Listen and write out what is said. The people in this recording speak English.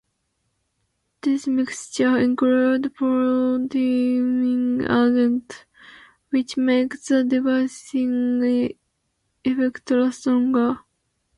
This mixture includes polymerising agents, which make the deicing effect last longer.